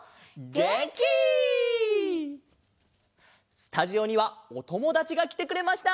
スタジオにはおともだちがきてくれました！